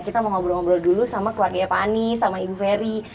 kita mau ngobrol ngobrol dulu sama keluarganya pak anies sama ibu ferry